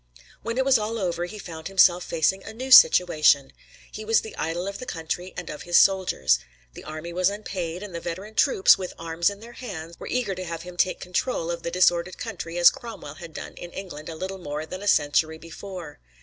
When it was all over he found himself facing a new situation. He was the idol of the country and of his soldiers. The army was unpaid, and the veteran troops, with arms in their hands, were eager to have him take control of the disordered country as Cromwell had done in England a little more than a century before.